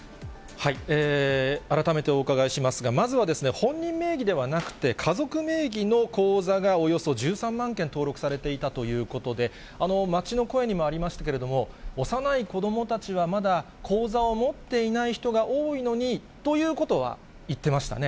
改めてお伺いしますが、まずは本人名義ではなくて、家族名義の口座がおよそ１３万件登録されていたということで、街の声にもありましたけれども、幼い子どもたちはまだ口座を持っていない人が多いのにということは言ってましたね。